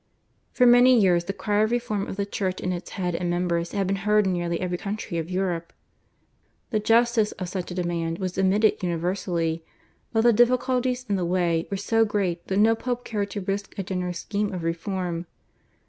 For many years the cry of reform of the Church in its head and members had been heard in nearly every country of Europe. The justice of such a demand was admitted universally, but the difficulties in the way were so great that no Pope cared to risk a generous scheme of reform.